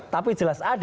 tapi jelas ada